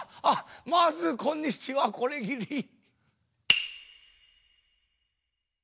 あっまずこんにちはこれぎり。